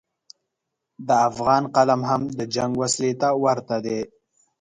د افغان قلم هم د جنګ وسلې ته ورته دی.